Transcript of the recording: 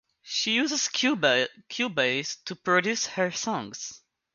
She uses Cubase to produce her songs.